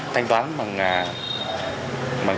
thanh toán bằng